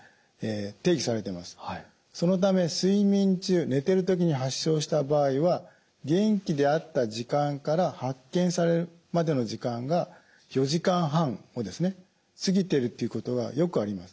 そのため睡眠中寝てる時に発症した場合は元気であった時間から発見されるまでの時間が４時間半を過ぎてるっていうことはよくあります。